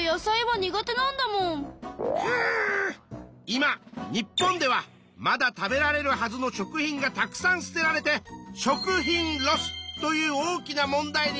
今日本ではまだ食べられるはずの食品がたくさん捨てられて「食品ロス」という大きな問題になっているんだ。